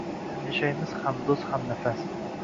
Yonma-yon yashaymiz, hamdo’st, hamnafas.